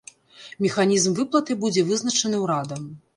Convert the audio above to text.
Механізм выплаты будзе вызначаны ўрадам.